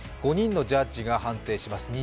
５人のジャッジが判定します。